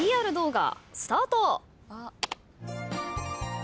ＰＲ動画スタート。